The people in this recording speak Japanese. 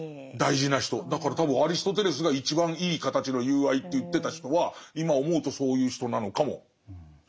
だから多分アリストテレスが一番いい形の友愛って言ってた人は今思うとそういう人なのかもしれない。